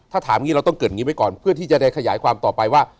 ถ้าถามอย่างนี้เราต้องเกิดอย่างนี้ไว้ก่อนเพื่อที่จะได้ขยายความต่อไปว่า